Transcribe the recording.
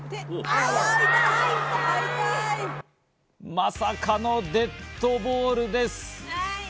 まさかのデッドボールです。